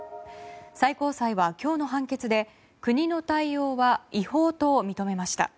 最高裁は今日の判決で国の対応は違法と認めました。